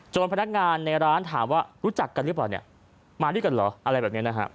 พนักงานในร้านถามว่ารู้จักกันหรือเปล่าเนี่ยมาด้วยกันเหรออะไรแบบนี้นะฮะ